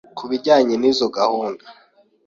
ku bijyanye n’izo gahunda,